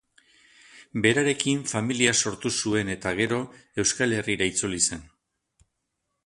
Berarekin familia sortu zuen eta gero Euskal Herrira itzuli zen.